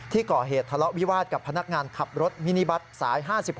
ก่อเหตุทะเลาะวิวาสกับพนักงานขับรถมินิบัตรสาย๕๖